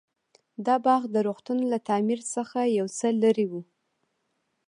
دا باغ د روغتون له تعمير څخه يو څه لرې و.